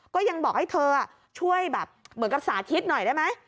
ก็ยังบอกให้เธอช่วยแบบเหมือนกับสาธิตหน่อยได้ไหม